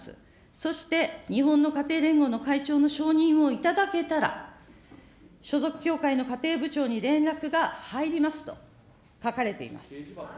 そして日本の家庭連合の会長の承認を頂けたら、所属教会の家庭部長に連絡が入りますと書かれています。